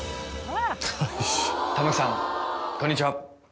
玉木さんこんにちは。